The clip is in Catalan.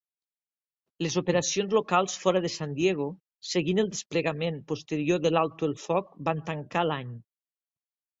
Les operacions locals fora de San Diego, seguint el desplegament posterior de l'alto el foc, van tancar l'any.